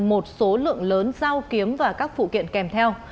một số lượng lớn dao kiếm và các phụ kiện kèm theo